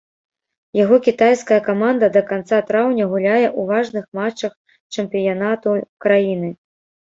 Яго кітайская каманда да канца траўня гуляе ў важных матчах чэмпіянату краіны.